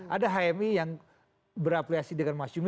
ada hmi yang berapliasi dengan masyumi